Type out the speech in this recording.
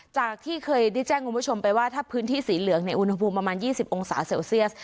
จากที่เคยได้แจ้งคุณผู้ชมไปว่าถ้าพื้นที่สีเหลืองอุณหภูมิประมาณ๒๐องศาเซลเซียส